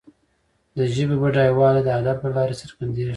د ژبي بډایوالی د ادب له لارې څرګندیږي.